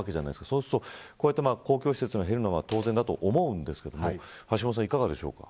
そうすると、こういう施設が減るのは当然だと思うんですけど橋下さん、いかがでしょうか。